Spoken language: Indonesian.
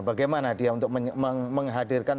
bagaimana dia untuk menghadirkan